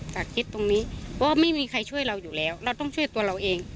แต่คิดตรงนี้ว่าไม่มีใครช่วยเราอยู่แล้วเราต้องช่วยตัวเราเอง